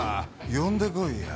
呼んでこいよ。